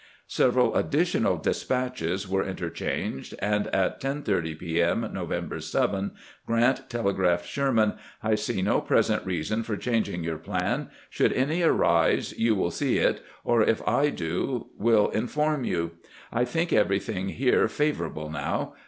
Several additional despatches were interchanged, and at 10 : 30 p. m., November 7, Grant telegraphed Sherman :" I see no present reason for changing your plan ; should any arise, you will see it ; or if I do, will inform you. I think everything here favorable now.